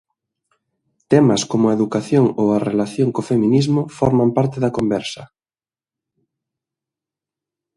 Temas como a educación ou a relación co feminismo forman parte da conversa.